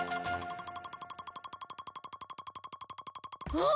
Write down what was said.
あっ！